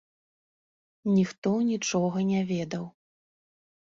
Ніхто нічога не ведаў.